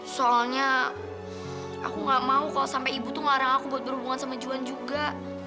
soalnya aku gak mau kalau sampai ibu tuh ngelarang aku buat berhubungan sama juan juga